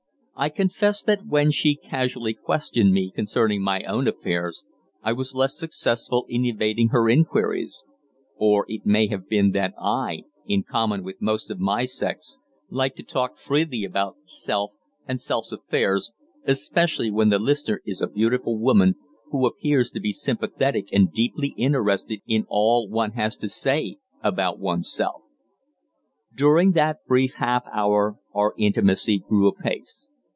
I confess that when she casually questioned me concerning my own affairs I was less successful in evading her inquiries; or it may have been that I, in common with most of my sex, like to talk freely about "self" and "self's" affairs, especially when the listener is a beautiful woman who appears to be sympathetic and deeply interested in all one has to say about oneself. During that brief half hour our intimacy grew apace.